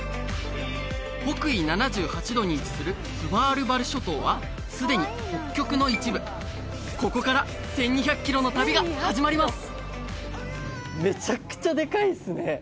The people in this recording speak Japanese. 北緯７８度に位置するスヴァールバル諸島はすでに北極の一部ここから１２００キロの旅が始まります！